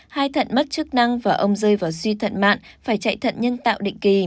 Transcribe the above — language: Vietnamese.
hai thận mất chức năng và ông rơi vào duy thận mạng phải chạy thận nhân tạo định kỳ